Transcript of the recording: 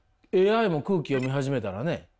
ＡＩも空気読み始めたらね。